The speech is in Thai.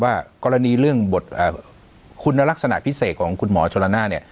ว่ากรณีบทบทคลุณลักษณะพิเศษของคุณหมอโจรณา